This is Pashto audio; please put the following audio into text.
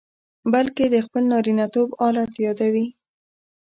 بلکې د خپل نارینتوب آلت یادوي.